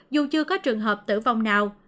dù chưa có trường hợp tử vong nào